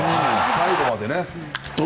最後までね。